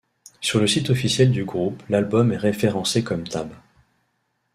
Sur le site officiel du groupe l'album est référencé comme Tab.